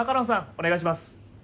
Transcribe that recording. お願いします。